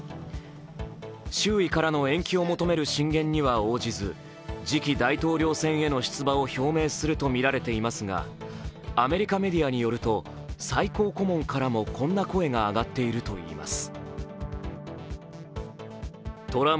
周囲からの延期を求める進言には応じず、次期大統領選への出馬を表明するとみられていますがアメリカメディアによると最高顧問からもこんな声が上がっているといいます。